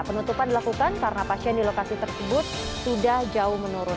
penutupan dilakukan karena pasien di lokasi tersebut sudah jauh menurun